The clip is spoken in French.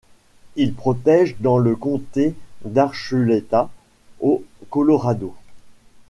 Il protège dans le comté d'Archuleta, au Colorado.